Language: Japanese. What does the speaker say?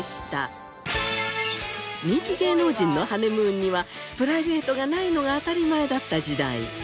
人気芸能人のハネムーンにはプライベートがないのが当たり前だった時代。